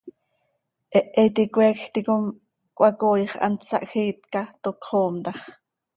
¡Hehe iti coeecj ticom cöhacooix hant sahjiit ca, toc cöxoom tax!